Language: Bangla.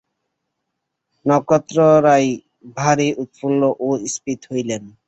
নক্ষত্ররায় ভারী উৎফুল্ল ও স্ফীত হইলেন।